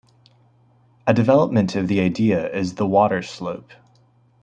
A development of the idea is the water slope.